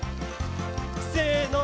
せの！